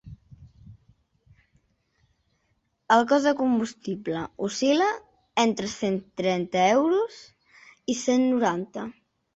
El cost de combustible oscil·la entre cent trenta euros i cent noranta.